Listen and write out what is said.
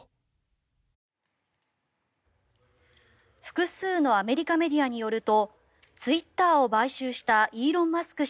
複数のアメリカメディアによるとツイッターを買収したイーロン・マスク